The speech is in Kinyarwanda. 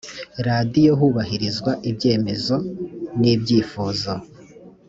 radiyo hubahirizwa ibyemezo n ibyifuzo